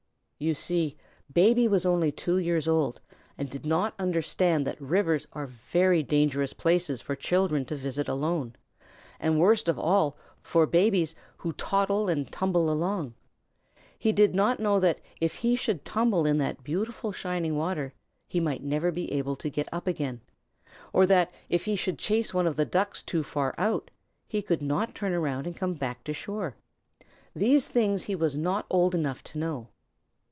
You see Baby was only two years old, and did not understand that rivers are very dangerous places for children to visit alone, and worst of all for Babies who toddle and tumble along. He did not know that if he should tumble in that beautiful shining water he might never be able to get up again, or that if he should chase one of the Ducks too far out, he could not turn around and come back to the shore. These things he was not old enough to know.